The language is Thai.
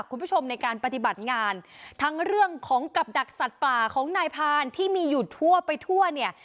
คุณผู้ชมในการปฏิบัติงานทั้งเรื่องของกับดักสัตว์ป่าของนายพานที่มีอยู่ทั่วไปทั่วเนี่ย